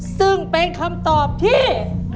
ซึ่งเป็นคำตอบที่